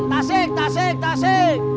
tasik tasik tasik